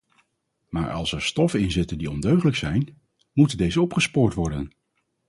Maar als er stoffen inzitten die ondeugdelijk zijn, moeten deze opgespoord worden.